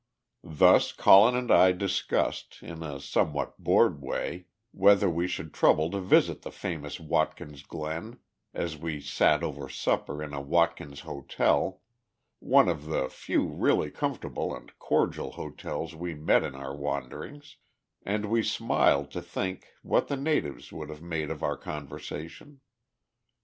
Thus Colin and I discussed, in a somewhat bored way, whether we should trouble to visit the famous Watkins Glen, as we sat over supper in a Watkins hotel, one of the few really comfortable and cordial hotels we met in our wanderings, and we smiled to think what the natives would have made of our conversation.